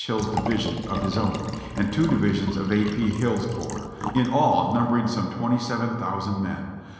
Hill's division of his own, and two divisions of A. P. Hill's corps ; in all number ing some twenty seven thousand men.